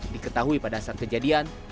diketahui pada saat kejadiannya